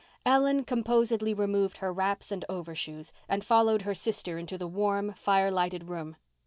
Ellen composedly removed her wraps and overshoes, and followed her sister into the warm, fire lighted room.